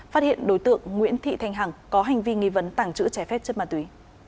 phát hiện đối tượng nguyễn thị thanh hằng có hành vi nghi vấn tàng trữ trái phép chất ma túy